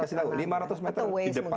ya kan dikasih tahu lima ratus meter di depan